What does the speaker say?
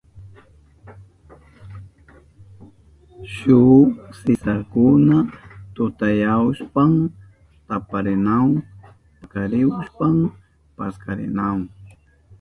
Shuk sisakuna tutayahushpan taparinahun pakarihushpan paskarinahun.